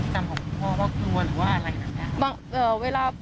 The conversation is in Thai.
ต่อไปที่จำของคุณพ่อเค้ากลัวหรือว่าอะไร